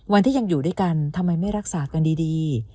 วันที่ยังอยู่ด้วยกันทำไมไม่รักษากันดี